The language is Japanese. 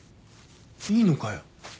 いいのかよ？